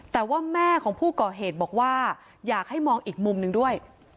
แต่ว่าแม่ของผู้ก่อเหตุบอกว่าอยากให้มองอีกมุมหนึ่งด้วย